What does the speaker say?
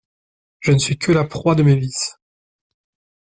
Je ne suis que la proie de mes vices!